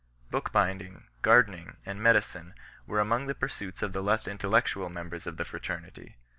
Bookbinding, gardening, and medicine were among the pursuits of the less intellec tual members of the fraternity 4